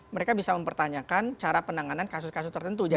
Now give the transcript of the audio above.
mereka bisa mempertanyakan cara penanganan kasus kasus tertentu